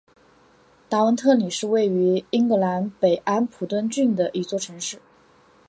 达文特里是位于英格兰北安普敦郡的一座城市。